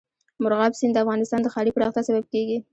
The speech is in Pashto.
مورغاب سیند د افغانستان د ښاري پراختیا سبب کېږي.